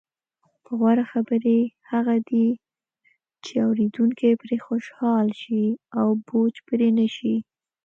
غوره خبرې هغه دي، چې اوریدونکي پرې خوشحاله شي او بوج پرې نه شي.